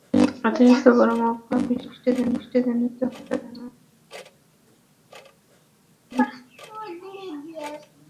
অতিরিক্ত গরম আবহাওয়া, বৃষ্টি এবং বৃষ্টিজনিত হঠাৎ ঠান্ডায় রাঙামাটিতে সর্দি-কাশিতে আক্রান্ত হচ্ছে মানুষ।